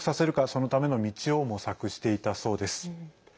そのための道を模索していたそうです。